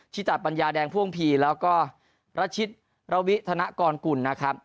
จิตปัญญาแดงพ่วงพีแล้วก็รัชิตระวิธนกรกุลนะครับ